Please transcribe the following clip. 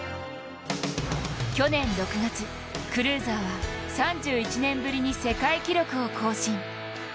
去年６月、クルーザーは３１年ぶりに世界記録を更新。